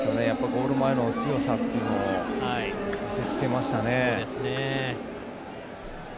ゴール前の強さっていうのを見せつけましたね。